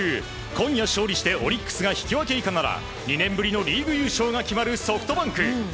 今夜、勝利してオリックスが引き分け以下なら２年ぶりのリーグ優勝が決まるソフトバンク。